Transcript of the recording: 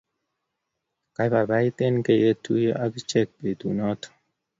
Kibaibait eng kiyetuyo ak ichek betu noto.